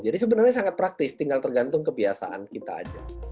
jadi sebenarnya sangat praktis tinggal tergantung kebiasaan kita aja